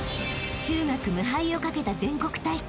［中学無敗をかけた全国大会］